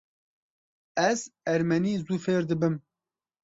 Ez ermenî zû fêr dibim.